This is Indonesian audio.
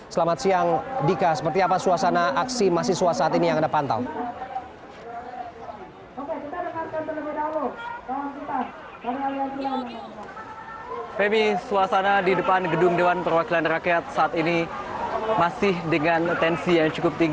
selamat siang dika seperti apa suasana aksi mahasiswa saat ini yang anda pantau